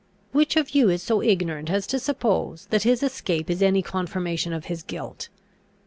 Which of you is so ignorant as to suppose, that his escape is any confirmation of his guilt?